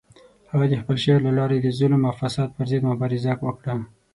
هغه د خپل شعر له لارې د ظلم او فساد پر ضد مبارزه وکړه.